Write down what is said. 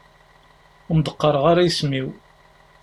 Ur am-d-qqareɣ ara isem-iw.